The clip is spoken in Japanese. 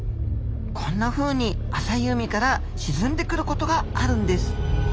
こんなふうに浅い海から沈んでくることがあるんです。